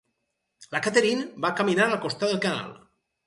La Catherine va caminar al costat del canal.